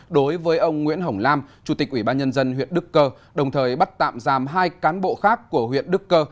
đối với ông nguyễn hồng lam chủ tịch ủy ban nhân dân huyện đức cơ đồng thời bắt tạm giam hai cán bộ khác của huyện đức cơ